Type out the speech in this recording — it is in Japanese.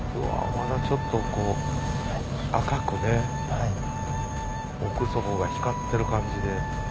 まだちょっとこう赤くね奥底が光ってる感じで。